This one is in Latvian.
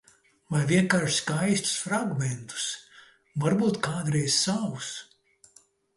Vai vienkārši skaistus fragmentus. Varbūt kādreiz savus.